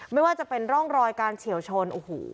ไม่ว่าจะเป็นร่องรอยการเฉียวชนโอ้โห